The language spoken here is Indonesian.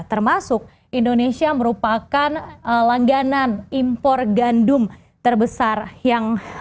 termasuk indonesia merupakan langganan impor gandum terbesar yang